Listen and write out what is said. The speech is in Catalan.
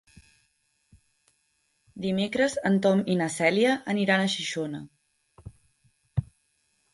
Dimecres en Tom i na Cèlia aniran a Xixona.